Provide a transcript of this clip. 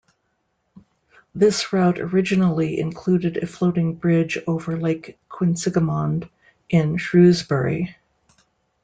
This route originally included a floating bridge over Lake Quinsigamond in Shrewsbury.